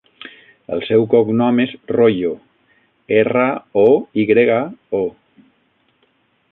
El seu cognom és Royo: erra, o, i grega, o.